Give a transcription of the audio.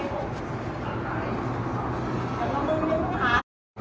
เมื่อกี้ก็ไม่มีเมื่อกี้